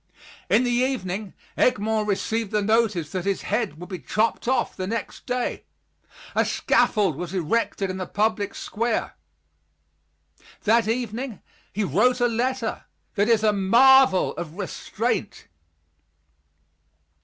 In the evening Egmont received the notice that his head would be chopped off the next day. A scaffold was erected in the public square. That evening he wrote a letter that is a marvel of restraint.